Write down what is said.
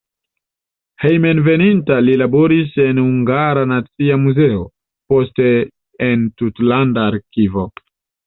Hejmenveninta li laboris en Hungara Nacia Muzeo, poste en tutlanda arkivo.